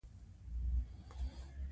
خوب د ناراحتیو ضد دی